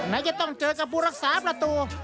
ไหนจะต้องเจอกับผู้รักษาประตู